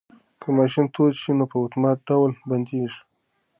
که ماشین تود شي نو په اتومات ډول بندیږي.